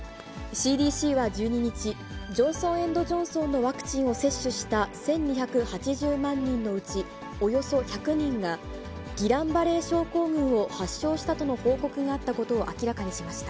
ＣＤＣは１２日、ジョンソン・エンド・ジョンソンのワクチンを接種した１２８０万人のうちおよそ１００人が、ギラン・バレー症候群を発症したとの報告があったことを明らかにしました。